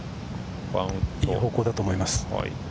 いい方向だと思います。